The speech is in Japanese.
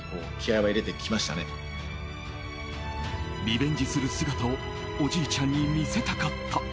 リベンジする姿をおじいちゃんに見せたかった。